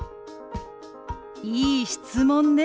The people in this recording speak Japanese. いい質問ね。